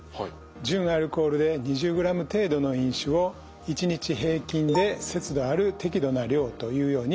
純アルコールで２０グラム程度の飲酒を一日平均で節度ある適度な量というように定めています。